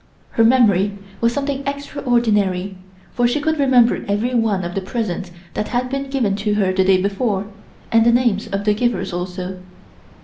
Her memory was something extraordinary, for she could remember every one of the presents that had been given to her the day before, and the names of the givers also.